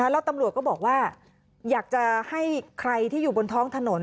แล้วตำรวจก็บอกว่าอยากจะให้ใครที่อยู่บนท้องถนน